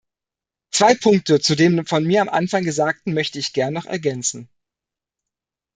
Zwei Punkte zu dem von mir am Anfang Gesagten möchte ich gern noch ergänzen.